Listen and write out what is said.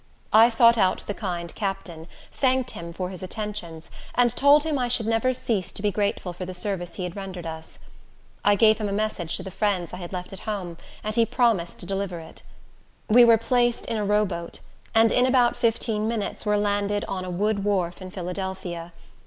I sought out the kind captain, thanked him for his attentions, and told him I should never cease to be grateful for the service he had rendered us. I gave him a message to the friends I had left at home, and he promised to deliver it. We were placed in a row boat, and in about fifteen minutes were landed on a wood wharf in Philadelphia.